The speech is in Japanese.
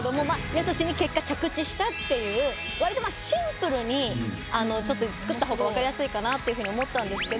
康に結果着地したっていう割とまぁシンプルに作ったほうが分かりやすいかなというふうに思ったんですけど。